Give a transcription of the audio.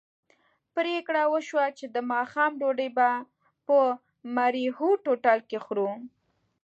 پرېکړه وشوه چې د ماښام ډوډۍ به په مریوټ هوټل کې خورو.